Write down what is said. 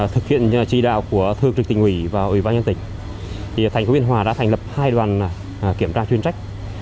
thực hiện trì đạo của thương trực tình quỷ và ủy ban nhân tỉnh thành phố yên hòa đã thành lập hai đoàn kiểm tra chuyên trách